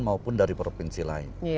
maupun dari provinsi lain